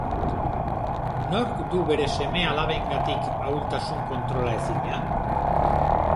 Nork du bere seme-alabengatik ahultasun kontrolaezina?